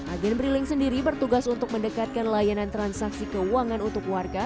agen briling sendiri bertugas untuk mendekatkan layanan transaksi keuangan untuk warga